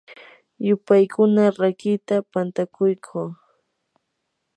yupaykuna rakiita pantakuyquu.